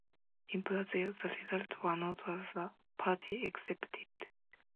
In Brazil, the results were not as the party expected.